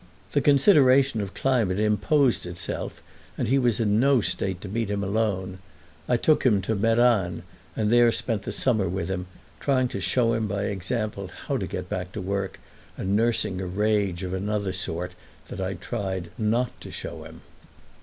The consideration of climate imposed itself, and he was in no state to meet it alone. I took him to Meran and there spent the summer with him, trying to show him by example how to get back to work and nursing a rage of another sort that I tried not to show him.